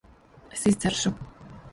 Es izdzeršu.